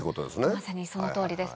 まさにその通りです。